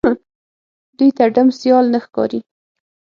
دوی ته ډم سيال نه ښکاري